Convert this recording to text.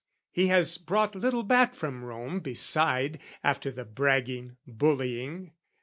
"He has brought little back from Rome beside, "After the bragging, bullying.